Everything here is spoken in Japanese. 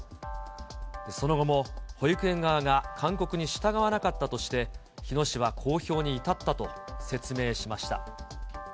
その後も保育園側が勧告に従わなかったとして、日野市は公表に至ったと説明しました。